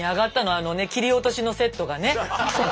あの切り落としのセットがね。